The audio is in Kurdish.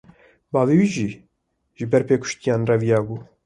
Bavê wî jî, ji ber pêkutiyan reviya bû